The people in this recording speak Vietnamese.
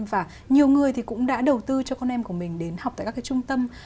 và nhiều người thì cũng đã đầu tư cho con em của mình đến học tại các cái trung tâm